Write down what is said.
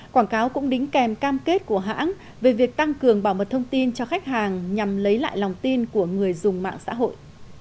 quảng cáo cũng đính kèm cam kết của hãng về việc tăng cường bảo mật thông tin cho khách hàng nhằm lấy lại lòng tin của người dùng mạng xã hội